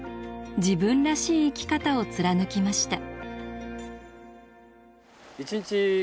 自分らしい生き方を貫きました。